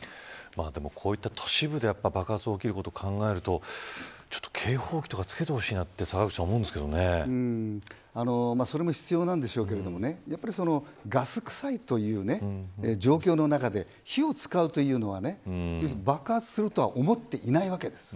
でもこういった都市部で爆発が起きることを考えると警報機とかを付けてほしいなと坂それも必要なんでしょうけれどもやはりガス臭いという状況の中で火を使うというのは爆発するとは思っていないわけです。